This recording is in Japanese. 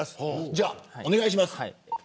じゃあお願いします。